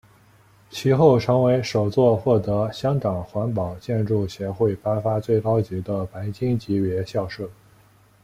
其后成为首座获得香港环保建筑协会颁发最高级的白金级别校舍。